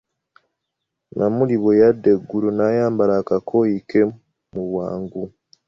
Namuli bwe yadda engulu, n'ayambala akakooyi ke mu bwangu .